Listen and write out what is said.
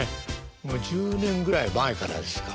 もう１０年ぐらい前からですか。